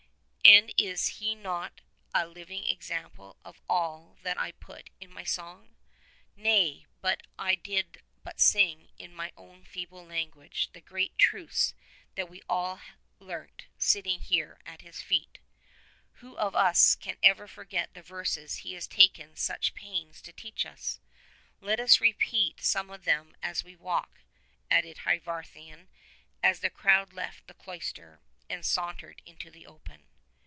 And is he not a living example of all that I put in my song? Nay, but I did but sing in my own feeble language the great truths that we have all learnt sitting at his feet. Who of us can ever forget the verses he has taken such pains to teach us ? Let us repeat some of them as we walk," added Hyvarnion as the crowd left the cloister and sauntered into the open.